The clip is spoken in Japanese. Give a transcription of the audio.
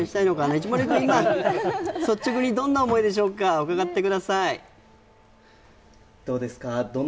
一森君、今、率直にどんな思いですか、伺ってください。